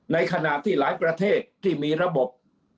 ในขณะที่หลายประเทศที่มีระบบ